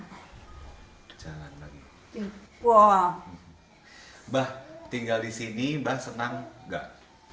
mbak mbah tinggal di sini mbah senang gak